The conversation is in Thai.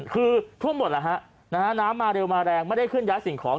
คือทั่วหมดล่ะฮะน้ำมาเร็วมาแรงไม่ได้ขึ้นย้ายสิ่งของ